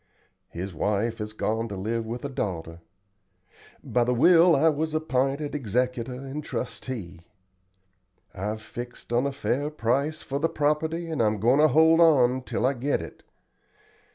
His wife has gone to live with a daughter. By the will I was app'inted executor and trustee. I've fixed on a fair price for the property, and I'm goin' to hold on till I get it.